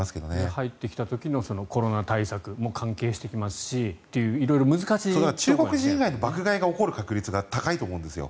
入ってきた時のコロナ対策も関係しますし中国人以外の爆買いが起こる確率が高いと思うんですよ。